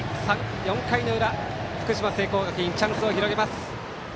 ４回の裏、福島・聖光学院チャンスを広げます。